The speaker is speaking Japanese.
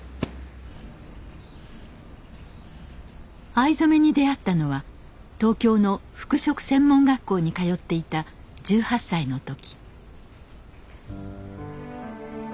藍染めに出会ったのは東京の服飾専門学校に通っていた１８歳の時。